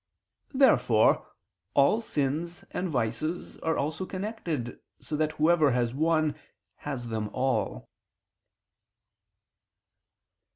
Therefore all vices and sins are also connected so that whoever has one, has them all.